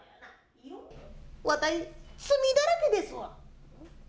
わたい、罪だらけですわ。